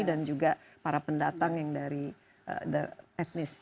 juga para pendatang yang dari etnis